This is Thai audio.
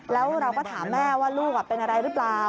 แล้วเราก็ถามแม่ว่าลูกเป็นอะไรหรือเปล่า